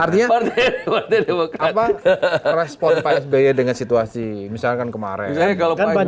artinya respon pak sby dengan situasi misalkan kemarin